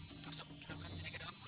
kenapa ini engkau keselam ku